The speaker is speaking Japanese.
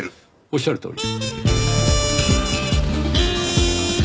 おっしゃるとおり。